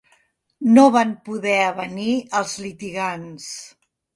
No van poder avenir els litigants.